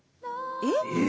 えっ！